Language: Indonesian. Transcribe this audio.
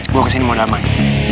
gue kesini mau damai